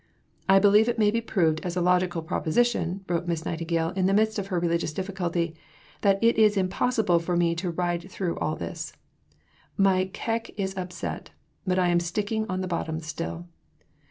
"I believe it may be proved as a logical proposition," wrote Miss Nightingale in the midst of her religious difficulty, "that it is impossible for me to ride through all this; my caique is upset, but I am sticking on the bottom still."